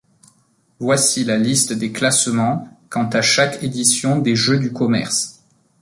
Voici la liste des classements quant à chaque édition des Jeux du commerce.